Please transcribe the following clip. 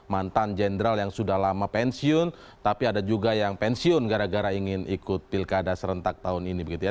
mantan jenderal yang sudah lama pensiun tapi ada juga yang pensiun gara gara ingin ikut pilkada serentak tahun ini begitu ya